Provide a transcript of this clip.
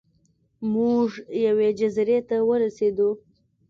موږ یوې جزیرې ته ورسیدو.